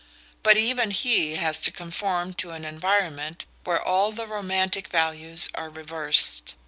But even he has to conform to an environment where all the romantic values are reversed.